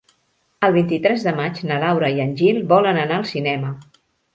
El vint-i-tres de maig na Laura i en Gil volen anar al cinema.